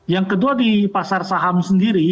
yang kedua di pasar saham sendiri